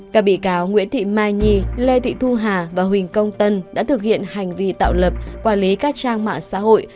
các bị cáo nguyễn thị mai nhi lê thị thu hà và huỳnh công tân đã thực hiện hành vi tạo lập quản lý các trang mạng xã hội